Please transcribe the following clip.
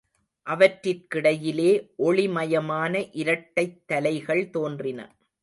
அவற்றிற்கிடையிலே ஒளி மயமான இரட்டைத் தலைகள் தோன்றின.